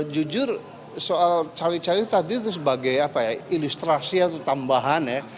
jujur soal cawe cawe tadi itu sebagai apa ya ilustrasi atau tambahan ya